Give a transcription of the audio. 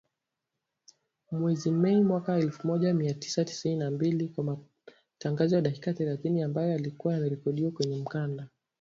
Mwezi Mei mwaka elfu moja mia tisa tisini na mbili kwa matangazo ya dakika thelathini ambayo yalikuwa yamerekodiwa kwenye mkanda